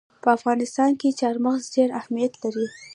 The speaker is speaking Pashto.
په افغانستان کې چار مغز ډېر اهمیت لري.